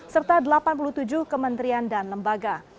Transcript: serta delapan puluh tujuh kementerian dan lembaga